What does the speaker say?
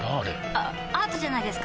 あアートじゃないですか？